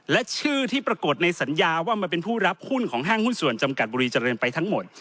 และชื่อที่ปรากฏในสัญญาว่ามันเป็นผู้รับหุ้นของห้างหุ้นส่วนจำกัดบุรีเจริญไปทั้งหมด